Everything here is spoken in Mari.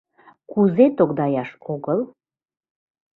— Кузе тогдаяш огыл?